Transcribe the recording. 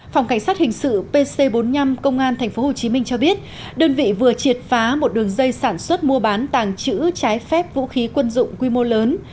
phòng cảnh sát hình sự pc bốn mươi năm công an tp hcm cho biết đơn vị vừa triệt phá một đường dây sản xuất mua bán tàng trữ trái phép vũ khí quân dụng quy mô lớn